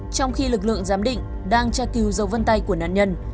trong khi lực lượng giám định đang tra cứu dấu vân tay của nạn nhân